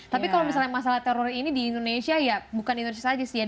tapi kalau misalnya masalah teror ini di indonesia ya bukan indonesia saja sih ya